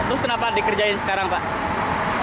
terus kenapa dikerjain sekarang pak